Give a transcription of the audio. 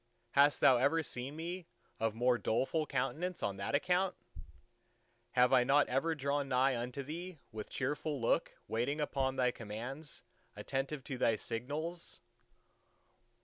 Hast Thou ever seen me of more doleful countenance on that account? Have I not ever drawn nigh unto Thee with cheerful look, waiting upon Thy commands, attentive to Thy signals?